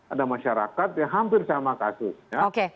ada masyarakat yang hampir sama kasusnya